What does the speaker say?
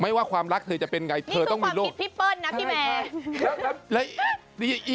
ไม่ว่าความรักเธอจะเป็นไงเธอต้องมีลูกนี่คือความคิดพี่เปิ้ลนะพี่แม่